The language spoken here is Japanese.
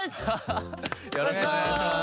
ハハハよろしくお願いします。